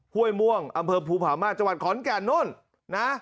ห้วยม่วงอำเภอภูผามาสจังหวัดขอนแก่นนู่นนะ